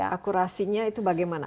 akurasinya itu bagaimana